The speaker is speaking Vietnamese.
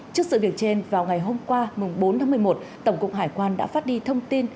trước sự việc trên vào ngày hôm qua bốn tháng một mươi một tổng cục hải quan đã phát đi thông tin